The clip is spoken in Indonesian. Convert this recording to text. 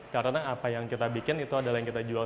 karena apa yang kita bikin itu adalah yang kita jual